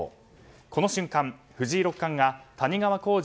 この瞬間、藤井六冠が谷川浩司